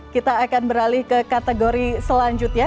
kita akan beralih ke kategori selanjutnya